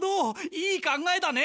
いい考えだね。